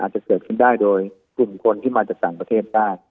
อาจจะเกิดขึ้นได้โดยกลุ่มคนที่มาจากภาคประเทศบ้าน